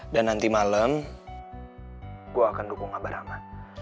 dan nanti malam gue akan dukung abah rahman